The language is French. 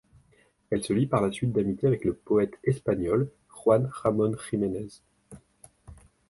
Elle se lie par la suite d'amitié avec le poète espagnol Juan Ramón Jiménez.